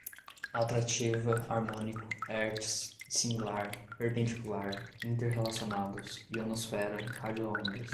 atrativa, harmônico, hertz, dissimilar, perpendicular, inter-relacionados, ionosfera, radioondas